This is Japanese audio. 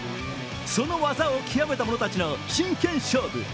その技を極めた者たちの真剣勝負